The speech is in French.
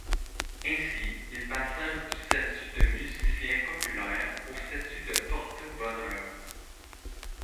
Ainsi, ils passèrent du statut de musiciens populaires au statut de porte-bonheur.